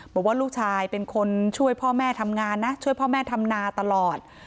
บอกว่าลูกชายเป็นคนช่วยพ่อแม่ทำงานนะช่วยพ่อแม่ทำนาตลอด